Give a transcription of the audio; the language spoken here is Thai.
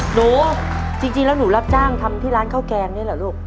หนูจริงแล้วหนูรับจ้างทำที่ร้านข้าวแกงนี่เหรอลูก